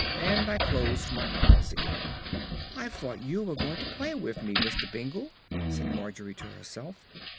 And I closed my eyes again.... "I fought you were going to play wiv me, Mr. Bingle," sighed Margery to herself.